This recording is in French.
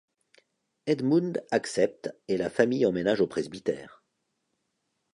Edmund accepte et la famille emménage au presbytère.